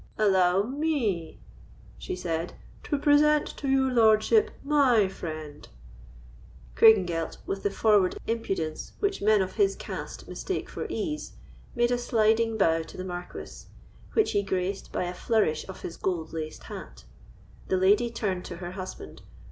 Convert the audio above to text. "Allow me," she said, "to present to your lordship my friend." Craigengelt, with the forward impudence which men of his cast mistake for ease, made a sliding bow to the Marquis, which he graced by a flourish of his gold laced hat. The lady turned to her husband.